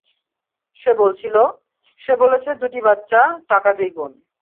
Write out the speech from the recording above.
সে বলছিল-- - সে বলেছে দুটি বাচ্চা, টাকা দ্বিগুণ।